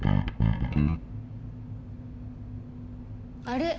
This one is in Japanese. あれ？